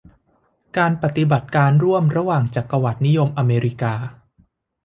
การปฏิบัติการร่วมระหว่างจักรวรรดินิยมอเมริกา